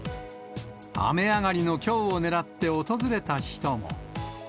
雨上がりのきょうを狙って訪れた人も。